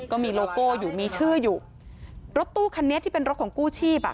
ก็มีโลโก้อยู่มีชื่ออยู่รถตู้คันนี้ที่เป็นรถของกู้ชีพอ่ะ